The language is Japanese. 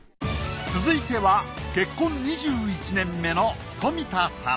続いては結婚２１年目の富田さん